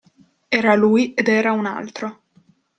Era lui ed era un altro!